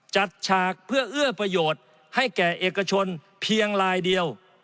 จัดฉากเพื่อเอื้อประโยชน์ให้แก่เอกชนเพียงลายเดียว